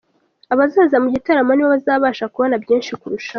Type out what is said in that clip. Abazaza mu gitaramo nibo bazabasha kubona byinshi kurushaho.